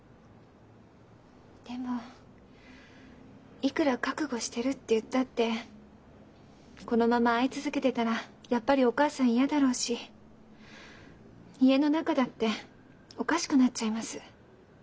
でもいくら覚悟してるって言ったってこのまま会い続けてたらやっぱりお母さん嫌だろうし家の中だっておかしくなっちゃいます。